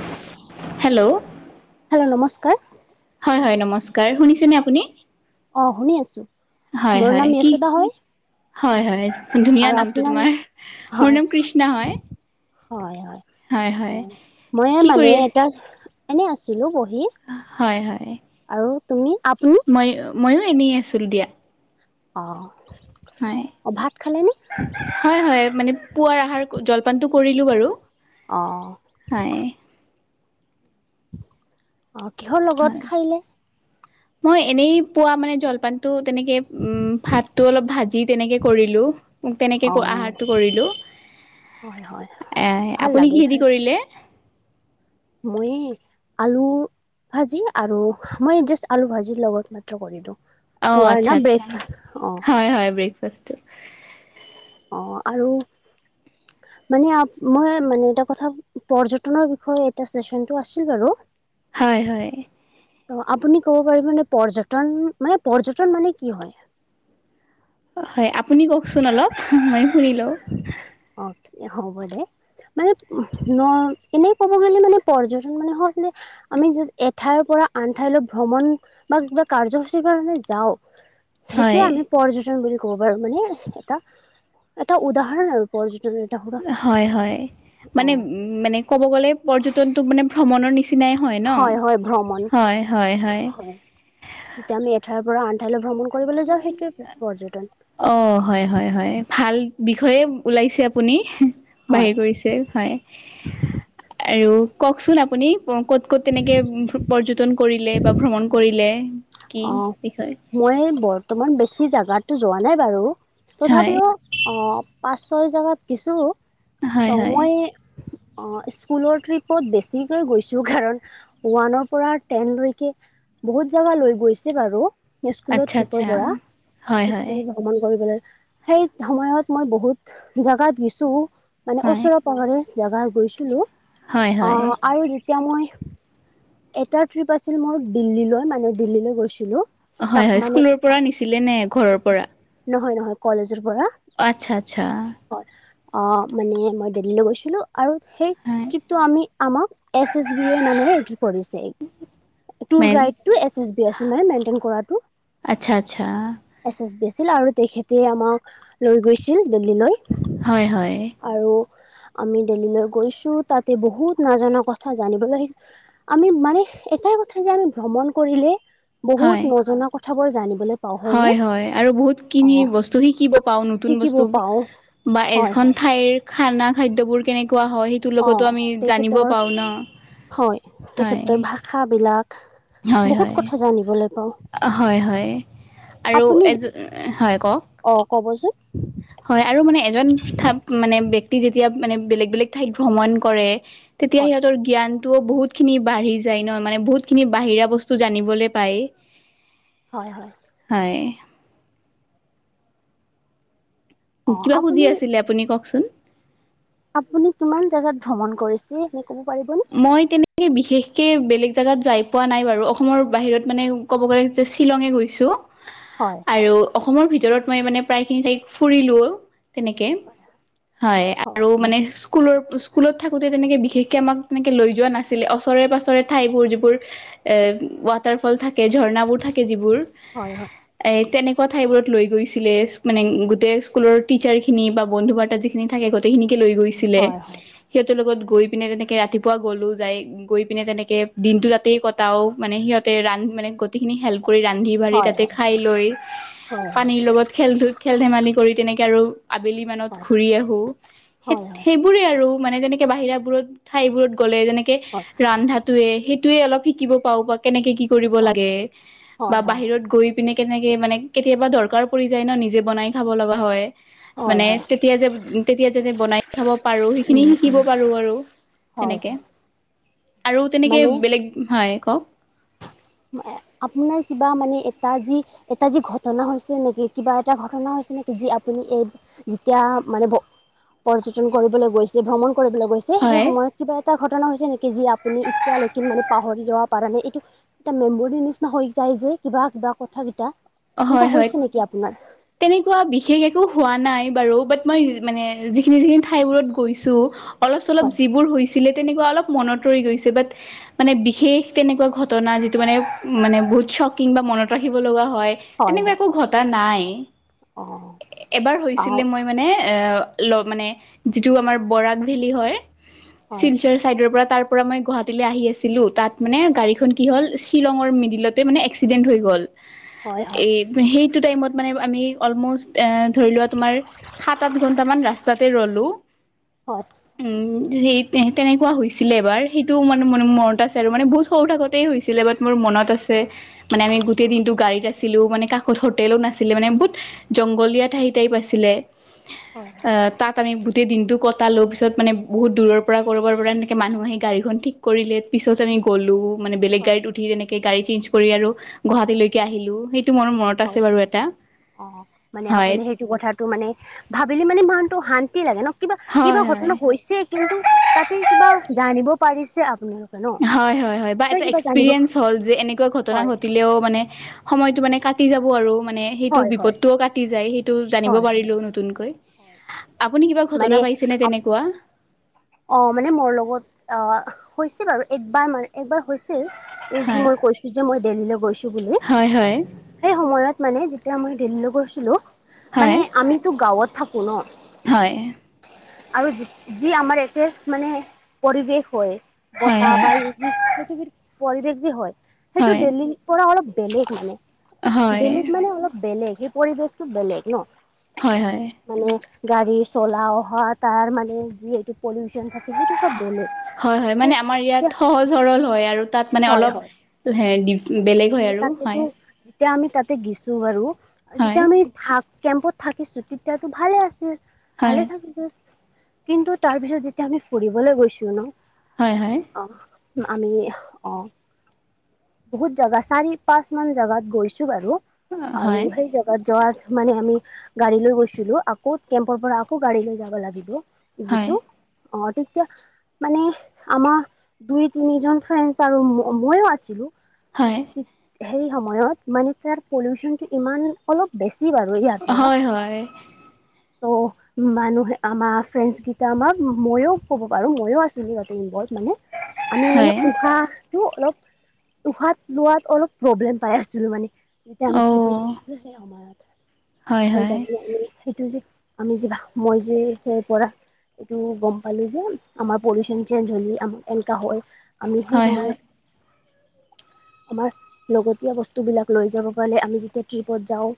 [unintelligible] Hello! [unintelligible] Hello! নমস্কাৰ। [unintelligible] হয়-হয়, নমস্কাৰ। শুনিছে নে আপুনি? [unintelligible] অঁ! শুনি আছোঁ। মোৰ নাম য়শোদা হয়। [unintelligible] হয়-হয়, ধুনীয়া আৰু নামটো আপোনাৰ নাম? তোমাৰ। মোৰ নাম কৃষ্ণা হয়। [unintelligible] হয়-হয়। হয় হয় অঁ! মই কি মানে কৰি এটা [inaudible] এনেই আছিলো বহি। [unintelligible] হয়-হয়। আৰু তুমি? আপুনি [unintelligible] মই ময়ো এনেই আছিলোঁ দিয়া। [unintelligible] অঁ', হয় অঁ' ভাত খালেনে? হয় হয় মানে পুৱাৰ আহাৰ জলপানতটো কৰিলো বাৰু। অঁ', হয়। অ' কিহৰ হয় লগত খাইলে? মই এনেই পোৱা মানে জলপানতটো তেনেকে উম, ভাতটো অলপ ভাজি তেনেকে কৰিলোঁ। মোক তেনেকে অ আহাৰটো কৰিলো হয় হয় এ ভাল আপুনি লাগে কিহেতি খাই কৰিলে? মই আলু ভাজি আৰু মই জাষ্ট আলু ভাজিৰ লগত মাত্ৰ কৰিলো অ পোৱাৰ আচ্ছা না আচ্ছা ব্ৰেকফা হয়, হয় ব্ৰেকফাষ্টটো। অ' আৰু মানে মই মানে এটা কথা পৰ্যটনৰ বিষয়ে এনটো আছিল বাৰু। হয়, হয় ত' আপুনি ক'ব পাৰিবানে পৰ্যটন মানে পৰ্যটন মানে কি হয়? হয় আপুনি কওকচোন অলপ মই শুনি লোও। অ' হ'ব দে। মানে ন' এনেই ক'ব গ'লে মানে পৰ্যটন মানে হ আমি য এঠাইৰ পৰা আন ঠাইলৈ ভ্ৰমণ বা কিবা কাৰ্যসূচীৰ কাৰণে যাও হয় সেইটোৱে আমি পৰ্যটন বুলি ক'ব পাৰো মানে এটা এটা উদাহৰণ আৰু। পৰ্যটন এটা সুৰা হয়, হয় মানে উ অ'। মানে ক'ব গ'লে পৰ্যটনটোক মানে ভ্ৰমণৰ নিচিনাই হয় ন' হয় ভ্ৰমণ হয়, হয়, হয় যেতিয়া আমি এঠাইৰ পৰা আনঠাইলৈ ভ্ৰমণ কৰিবলৈ যাওঁ সেইটোৱে পৰ্যটন। অ' হয়, হয়, হয় ভাল বিষয়ে ওলাইছে আপুনি। হয়। বাহিৰ কৰিছে হয়। [unintelligible] আৰু কওকচোন আপুনি ক'ত ক'ত তেনেকে পৰ্যটন কৰিলে বা ভ্ৰমণ কৰিলে। কি অ' বিষয়? মই বৰ্তমান বেছি জাগাতো যোৱা নাই বাৰু হয় তথাপিও অঁ' পাঁচ ছয় জেগাত কিছোঁ হয় ত' হয় মই অ' স্কুলৰ ট্ৰিপত বেছিকৈ গৈছো কাৰণ ওৱানৰ পৰা টেনলৈকে বহুত জাগা লৈ গৈছে বাৰু স্কুলত আচ্ছা ট্ৰিপৰ আচ্ছা পৰা হয় হয় স্কুলত ভ্ৰমণ কৰিবলৈ সেই সময়ত মই বহুত জোগাত গছো মানে হয় ওচৰ জেগা গৈছিলো হয় হয় অ' আৰু এতিয়া মই এটা ট্ৰিপ আছিল মোৰ দিল্লীলৈ মানে দিল্লীলৈ গৈছিলো তাক হয় হয় মানে স্কুলৰ পৰা নিছিলে নে ঘৰৰ পৰা নহয় নহয় কলেজৰ পৰা আচ্ছা আচ্ছা হয় অ মানে মই দিল্লীলৈ গৈছিলো আৰু সেই হয় ট্ৰিপটো আমি আমাক এছ এছ বি এ মানে এইটো কৰিছে টুৰ মেন গাইড টো এছ এছ বি আছিল মানে মেইনটেইন কৰাটো আচ্ছা আচ্ছা এছ এছ বি আছিল আৰু তেখেতে আমাক লৈ গৈছিল দিল্লীলৈ হয়, হয় আৰু আমি দেল্লিলৈ গৈছোঁ তাতে বহুত নাজানা কথা জানিবলৈ আমি মানে এটাই কথা যে আমি ভ্ৰমণ কৰিলে বহুত হয় নজনা কথাবোৰ জানিবলৈ পাওঁ হয়নে হয়, হয় আৰু বহুত অ খিনি বস্তু শিকিব পাওঁ নতুন শিকিব বস্তু পাওঁ বা হয় এখন হয় ঠাইৰ খানা খাদ্যবোৰ কেনেকুৱা হয়, তোৰ অ লগতো আমি জানিব তেখেতৰ পাওঁ ন হয় হয়। তেখেতৰ কথা বিলাক হয় বহুত হয় হয় হয় আৰু আপুনি এ যে হয় কওক অ ক'বচোন হয় আৰু মানে এজন থাক মানে ব্যক্তি যেতিয়া মানে বেলেগ বেলেগ ঠাইত ভ্ৰমণ কৰে তেতিয়া হয় সিহঁতৰ জ্ঞানটোও বহুত খিনি বাঢ়ি যায় ন মানে বহুত খিনি বাহিৰা বস্তু জানিবলে পায় হয় হয় হয় অ কিবা সুধি আপুনি আছিলে আপুনি কওকচোন আপুনি কিমান জাগাত ভ্ৰমণ কৰিছে এনে ক'ব পাৰিবনে? মই তেনেকে বিশেষকে বেলেগ জাগাত যাই পোৱা নাই বাৰু অসমৰ বাহিৰত মানে ক'ব গ'লে যে শ্বিলঙে গৈছো। হয় আৰু অসমৰ ভিতৰত মই মানে প্ৰায় খিনি ঠাই ফুৰিলোও তেনেকে হয় হয় আৰু হয় মানে স্কুলৰ স্কুলত থাকোতে তেনেকে বিশেষকে আমাক তেনেকে লৈ যোৱা নাছিলে ওচৰে পাছৰে ঠাইবোৰ যিবোৰ এ গু- ৱাটাৰ ফল থাকে, ঝৰ্ণাবোৰ থাকে যিবোৰ হয় হয় এ তেনেকুৱা ঠাইবোৰত লৈ গৈছিলে মানে গোটেই স্কুলৰ টিচাৰ খিনি বা বন্ধু বান্ধৱ যি- খিনি থাকে গোটেই খিনেকে লৈ গৈছিলে হয় সিহঁতৰ লগত গৈ পিনে তেনেকে ৰাতি পুৱা গ'লো যাই গৈ পিনে তেনেকে দিনটো তাতেই কটাও মানে সিহঁতে ৰান্ধি মানে গোটেইখিনি হেল্প কৰি ৰান্ধি বাঢ়ি হয় হয় তাতে খাই লৈ হয় হয় পানীৰ লগত খেল ধু খেল-ধেমালি কৰি তেনেকে আৰু আবেলি মানত হয় ঘূৰি আহো সেইট হয় হয় হয় হয় সেইবো- বোৰে আৰু মানে যেনেকে বাহিৰা বোৰত ঠাইবোৰত গ'লে যেনেকে হয় ৰন্ধাটোৱে সেইটোৱে অলপ শিকিব পাৰু বা কেনেকে কি কৰিব লাগে হয় বা হয় বাহিৰত গৈ পিনে কেনেকে মানে কেতিয়াবা দৰকাৰ পৰি যায় ন নিজে বনাই খাব লগা হয়। হয় মানে হয় তেতিয়া যে তেতিয়া যে বনাই খাব পাৰো সেইখিনি উম উম শিকিব পাৰো আৰু। হয় তেনেকে হয় আৰু তেনেকে মানে বেলেগ হয় কওক আপোনাৰ কিবা মানে এটা যি এটা যি ঘটনা হৈছে নেকি কিবা এটা ঘটনা হৈছে নেকি যি আপুনি এই যেতিয়া মানে ভ পৰ্যটন কৰিবলৈ গৈছে ভ্ৰমণ কৰিবলৈ গৈছে যে সেই হয় সময়ত কিবা এটা ঘটনা হৈছে নেকি যি আপুনি এতিয়ালৈকে মানে পাহৰি যাৱা পাৰা নাই এইটো এটা মেমৰীৰ নিচিনা হৈ যাই যে কিবা কিবা কথা কেইটা হয় হয় তেনেকুৱা বিশেষ একো হোৱা নাই বাৰু বাত মই মানে যিখিনি যিখিনি ঠাইবোৰত গৈছো অলপ চলপ হয় যিবোৰ হৈছিলে তেনেকুৱা অলপ মনত ৰৈ গৈছে বাট মানে বিশেষ তেনেকুৱা ঘটনা যিটো মানে মানে বহুত চকিং বা মনত ৰাখিব লগা হয় তেনেকুৱা একো ঘটা নাই অঁ এবাৰ হৈছিলে অঁ মই মানে এ ল মানে যিটো আমাৰ বৰাগ ভেলী হয়। হয় শ্বিলচৰ চাইডৰ পৰা তাৰ পৰা মই গুৱাহাটীলৈ আহি আছিলো তাত মানে গাড়ীখন কি হ'ল শ্বিলঙৰ মিডিলতে মানে এক্সিডেণ্ট হৈ গ'ল। হয়। হয় এই সেইটো টাইমত মানে আমি অলম'ষ্ট এ ধৰি লোৱা তোমাৰ সাত আঠ ঘন্টামান ৰাস্তাতে ৰলো। উম [inaudible] সেই তেনেকুৱা হৈছিলে এবাৰ সেইটোও মান মন মন ম মনত আছে আৰু মানে বহুত সৰু থাকোতেই হৈছিলে বাত মোৰ মনত আছ- হে মানে আমি গোটেই দিনতটো গাড়ীত আছ- লো মানে কাষত হোটেলো নাছিলে মানে বহুত জংলীয়া ঠাই টাইপ আছিলে। হয় অ তাত আমি বুত- গোটেই দিনটো কটালো পিছত মানে বহুত দূৰ পৰা ক'ৰবাৰ পৰা এনেকে মানুহ আহি গাড়ীখন ঠিক কৰিলে পিছত আমি গ'লো মানে বেলেগ হয় গাড়ীত উঠি তেনেকে গাড়ী চেঞ্জ কৰি আৰু গুৱাহাটীলৈকে আহিলো সেটো মৰম হয় হয় অ মানে হয়, আপুনি সেইটো কথাত টো মানে ভাবিলে মানে মানটো শান্তি লাগে ন কিবা কিবা হয়, হয়। ঘটনা হৈছে কিন্তু তাতে কিবা জানিব পাৰিছে আপোনালোক হয় হয় বা এটা এক্সপেৰিয়েঞ্চ হ'ল যে এনেকুৱা ঘটনা হয় ঘটিলেও মানে সময়তটো মানে কাটি যাব আৰু মানে সেইটো হয় হয় বিপদটোও কাটি যায় সেইটো জানিব হয় হয় পাৰিলো নুত- তুনকৈ হয় আপুনি কিবা ঘটনা পাইছেনে মানে তেনেকুৱা? অ মানে মোৰ লগত অ হৈছিল বাৰু একবাৰ মান একবাৰ হৈছে। এই যি হয়, মই কৈছো যে মই দেল্লীলৈ গৈছো বুলি হয় হয়। সেই সময়ত মানে যেতিয়া মই দিল্লীলৈ গৈছিলো মানে হয়, আমিতো গাঁৱত থাকো ন। হয়। আৰু যি আমাৰ একে মানে পৰিৱেশ হয় হয়, বতাহ হয়, বায়ু যি পৃথিৱীৰ পৰিৱেশ যি হয় সেইটো হয়, ডেইলি পৰা অলপ বেলেগ মানে। বেলেগ মানে অলপ বেলেগ সেই পৰিৱেশতটো বেলেগ ন। হয় হয়। মানে গাড়ী চলাও অ হয় তাৰ মানে যিহেতু পলিউচন থাকে সেইটো চব বেলেগ। হয় হয় সেই মানে আমাৰ ইয়াত যেতিয়া সহজ সৰল হয় আৰু তাত মানে হয় অলপ হয় হে দিফ- বেলেগ হয় মানে আৰু তাতেতো হয়। যেতিয়া আমি তাতে গিছো বাৰু হয়, যেতিয়া আমি থাক কেম্পত থাকিছো তেতিয়াটো ভালে আছিল হয়, ভালে থাকিছিল। কিন্তু তাৰ পিছত যেতিয়া আমি ফুৰিবলৈ গৈছো ন হয় হয়। অ আমি অ বহুত জাগা চাৰি পাঁচ মান জাগাত গৈছো বাৰু আৰু হয়, সেই জাগাত যোৱা মানে আমি গাড়ী লৈ গৈছিলো আকৌ কেম্পৰ পৰা আকৌ গাড়ী লৈ যাব লাগিব। হয়, গিছো অ তেতিয়া মানে আমা দুই তিনি জন ফ্ৰেণ্ডছ আৰু ম মইও আছিলো। হয়। মানে সেই সময়ত মানে তাৰ পলিউচনটো ইমান অলপ বেছি বাৰু ইয়াৰ পৰা হয় হয় চ মানুহে আমাৰ ফ্ৰেণ্ডছ কেইটা আমাক ময়ো ক'ব পাৰো ময়ো আছিলো সিহঁতে ইনব্লট মানে আমি মানে হয় উহাহটো অলপ উহাত লোৱাত অলপ প্ৰব্লেম পাই আছিলো মানে। যেতিয়া আমি অ ট্ৰিপত গৈছিলো সেই সময়ত হয় হয় সেইকাৰণে আমি সেইটো যে আমি যি মই যে সেইপৰা এইটো গম পালো যে আমাৰ পলিউচন চেঞ্জ হলে আমাৰ এনেককা হয় আমি হয় হয় সময়ত আমাৰ লগতীয়া বস্তুবিলাক লৈ যাব গলে আমি যেতিয়া ট্ৰিপত যাওঁ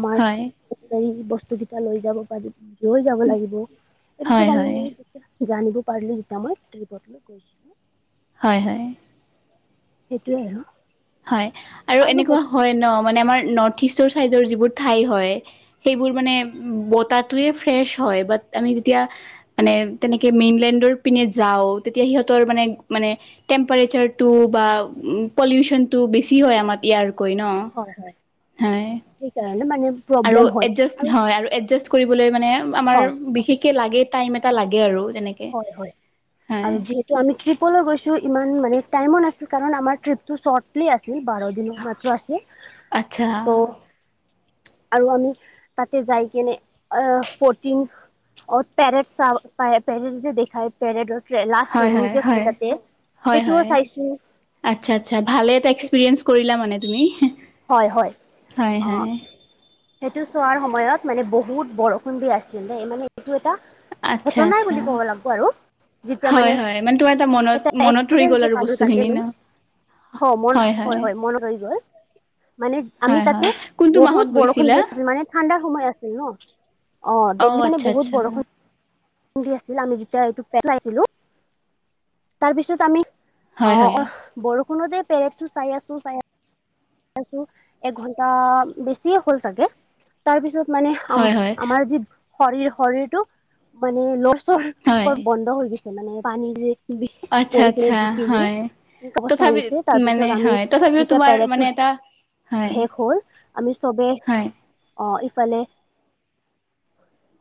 আমাৰ হয় বিচাৰি বস্তু কেইটা লৈ যাব বা লৈ যাব লাগিব এইটো হয় হয় চব আমি জানিব পাৰিলো যেতিয়া মই ট্ৰিপত লৈ গৈছিলো হয় হয় সেইটোৱে ন হয় আৰু এনেকুৱা হয় ন মানে আমাৰ নৰ্থ ইষ্টৰ চাইডৰ যিবোৰ ঠাই হয় হয় সেইবোৰ হয় মানে বতটোয়ে ফ্ৰেছ হয় বাট আমি যেতিয়া মানে তেনেকে মেইনলেণ্ডৰ পিনে যাওঁ তেতিয়া সিহঁতৰ মানে মানে টেম্পাৰেচাৰ টো বা উ পলিউচন তো বেছি হয় আমাৰ ইয়াৰকৈ ন হ ঠিক কে নে মানে আৰু প্ৰব্লেম হয় এজা হয় আৰু এা কৰিবলৈ মানে আমাৰ হয় বিশেষকে লাগে টাইম এটা লাগে আৰু যেনেকে হয় হয় আৰু যি ত' আমি ট্ৰিপলৈ গৈছো ইমান মানে টাইমো নাছিল কাৰণ আমাৰ ট্ৰিপতটো চৰ্টলি আছিল বাৰ দিন মাত্ৰ আছে আচ্ছা ত আৰু আমি তাতে যাই কেনে আহ প্ৰটিন পেৰে চ পেৰে যে দেখাই পেয়ডৰ লাষ্ট ট্ৰেইনিং যে হয় যাতে সেইটোও চাইছো আচ্চা আচ্চা ভালে এটা সেইটো এক্সপেৰীয়েন্স কৰিলা মানে তুমি হয় হয় হৈ অ হয় সেইটো চোৱাৰ সময়ত মানে বহুত বৰষুণ দি আছিল ন মানে এইটো এটা আচ্ছা ঘত নাই আচ্ছা বুলি ক'ব লাগিব আৰু যেতিয়া হয় মানে হয় তোমাৰ মনত এটা মনত ৰৈ গ'ল এক্সপিৰিয়েঞ্চ যে আৰু পালো বস্তুখিনি তাতে ন মই অ মন হয় হয় মনত গল মানে আমি হয় তাতে হয় কোনটো বহুত মাহত বৰষুণ গৈছিলা দিয় আছিল মানে ঠাণ্ডাৰ সময় আছিল ন অ দিল্লী মানে আচ্ছা বহুত আচ্ছা বৰষুণ হয় দি আছিল আমি যেতিয়া এইটো পাইছিলো তাৰপিছত আমি অ হয় অ বৰষুণতে পেৰেটটো চাই আছো চাই আছো ছো এঘন্টা বেছি হ'ল চাগে তাৰপিছত মানে আম হয় হয় আমাৰ যি শৰীৰ শৰীৰটো মানে লৰচৰ হয় ক'ৰ বন্ধ হৈ গৈছে মানে পানী যে আচ্ছা বৰষুণে আচ্ছা জিকি হয়। জিকি অৱস্থা হৈ তথাপি দিছে মানে তাৰপিছত আমি হয় তথাপিও যেতিয়া তোমাৰ মানে পেৰেডটো এটা হয় শেষ হল আমি চবে হয় অ ইফালে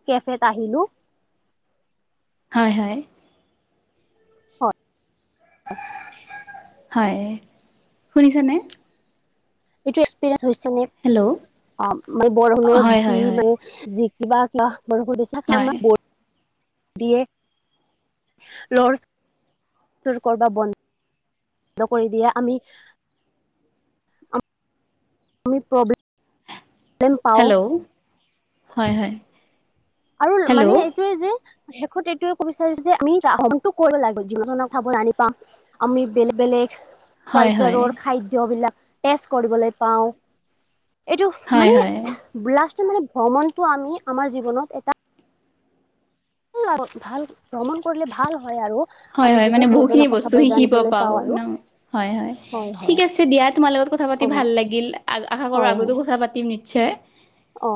কেফেত আহিলো হয় হয় হয় হয় শুনিছ নে এইটো এক্সপিৰিয়েঞ্চ হৈছে নে হেল্ল' অ মানে বৰখুণৰ হয় যি হয় হয় মানে হয় [inaudible] [unintelligible] ব কৰি দিয়ে আমি আুমি প্ৰব্লেম প্ৰব্লেম পাওঁ হেল্ল' হয় হয় আৰু মানে হেল্ল' এইটোৱে যে শেষত এইটোয়ে কব বিচাৰিছো যে আমি আহণটো কৰিব লাগিব [unintelligible] আমি বেলেগ বেলেগ হয় হয় কালচাৰৰ খাদ্যবিলাক টেজ কৰিবলৈ পাওঁ এইটো হয় মানে হয় লাষ্টৰ মানে ভ্ৰমণটো আমি আমাৰ জীৱনত এই আৰু ভাল ভ্ৰমণ কৰিলে ভাল হয় আৰু হয় আমি হয় মানে বহুত বহুখিনি নজনা বস্তু কথাবোৰ শিকিব জানিবলৈ পাওঁ আৰু ন হয় হয় ঠিক আছে দিয়া তোমাৰ লগত কথা পাতি অ ভাল লাগিল আশা কৰো হয় আগতো হয় কথা পাতিম নিশ্চয় অ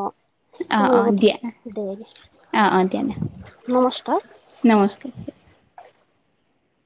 অ তোমাৰ অ লগত দিয়া অ অ দিয়া ন দেই নমস্কাৰ নমস্কাৰ